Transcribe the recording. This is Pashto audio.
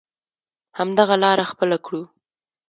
همدغه لاره خپله کړو.